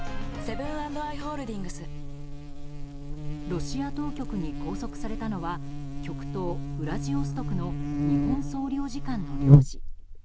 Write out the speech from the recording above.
ロシア当局に拘束されたのは極東ウラジオストクの日本総領事館の領事。